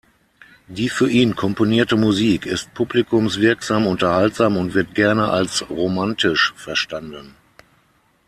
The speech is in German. Die für ihn komponierte Musik ist publikumswirksam, unterhaltsam und wird gerne als „romantisch“ verstanden.